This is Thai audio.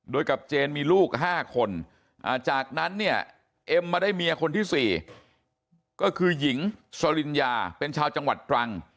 โดยกับเจนมีลูก๕คนจากนั้นเนี่ยเอ็มมาได้เมียคนที่๔ก็คือหญิงสลินยาเป็นชาวจังหวัดตรัง